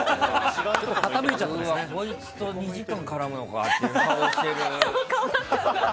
うわっ、こいつと２時間絡むのかっていう顔してるよね。